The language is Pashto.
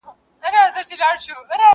o زغره د همت په تن او هیلي یې لښکري دي,